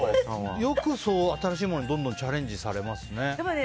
よく新しいものにどんどんチャレンジされますね。